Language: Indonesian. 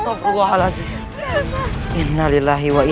suamiku sudah dibunuh oleh prabu siliwangi